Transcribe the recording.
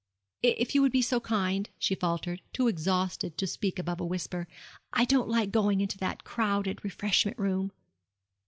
'If you would be so kind,' she faltered, too exhausted to speak above a whisper; 'I don't like going into that crowded refreshment room.'